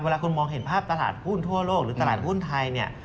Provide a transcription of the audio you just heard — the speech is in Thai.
เวลาคุณมองเห็นภาพตลาดหุ้นทั่วโลกหรือตลาดหุ้นไทยเนี่ย